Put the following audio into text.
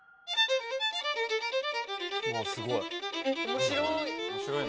面白い。